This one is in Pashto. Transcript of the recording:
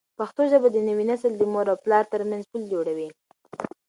پښتو ژبه د نوي نسل د مور او پلار ترمنځ پل جوړوي.